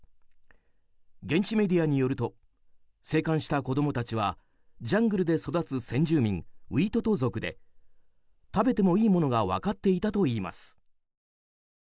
現地メディアによると生還した子供たちはジャングルで育つ先住民ウイトト族で食べてもいいものが分かっていたといいます。